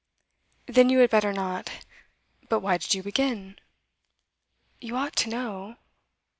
'Then you had better not. But why did you begin?' 'You ought to know.